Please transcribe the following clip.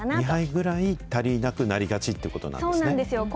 ２杯ぐらい足りなくなりがちということなんですね。